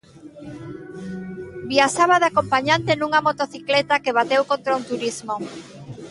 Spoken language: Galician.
Viaxaba de acompañante nunha motocicleta, que bateu contra un turismo.